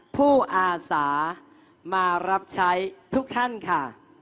อาสามารับใช้ทุกท่านค่ะ